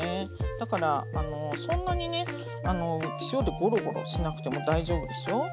だからそんなにね塩でゴロゴロしなくても大丈夫ですよ。